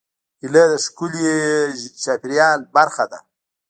هیلۍ د ښکلي چاپېریال برخه ده